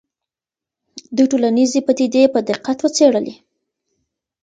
دوی ټولنیزې پدیدې په دقت وڅېړلې.